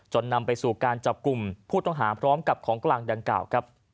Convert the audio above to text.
นำไปสู่การจับกลุ่มผู้ต้องหาพร้อมกับของกลางดังกล่าวครับ